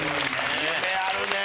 夢あるね。